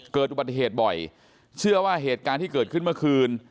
เกิดอุบัติเหตุบ่อยเชื่อว่าเหตุการณ์ที่เกิดขึ้นเมื่อคืน